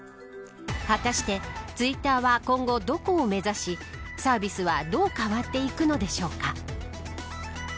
果たして、ツイッターは今後どこを目指しサービスはどう変わっていくのでしょうか。